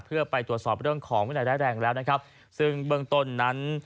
เพื่อไปตรวจสอบเรื่องของวิและซึ่งเบื้องตนนั้น